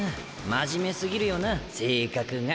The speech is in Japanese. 真面目すぎるよな性格が。